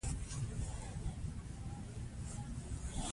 که ماشوم ګډوډ وي، مرحلې په مرحله یې مرسته وکړئ.